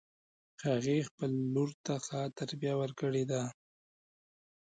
هغې خپل لور ته ښه تربیه ورکړې ده